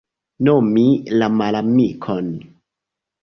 Nomi la malamikon.